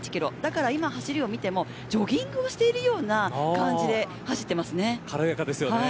今走りを見てもジョギングしているような感じで軽やかですね。